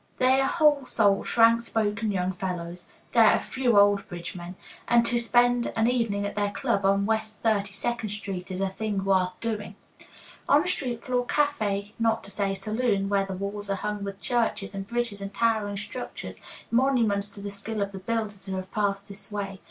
They are whole souled, frank spoken young fellows (there are few old bridge men), and to spend an evening at their club, on West Thirty second Street, is a thing worth doing. On the street floor is a café, not to say saloon, where the walls are hung with churches and bridges and towering structures, monuments to the skill of the builders who have passed this way.